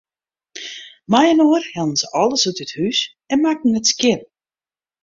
Mei-inoar hellen se alles út it hús en makken it skjin.